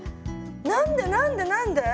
何で何で何で？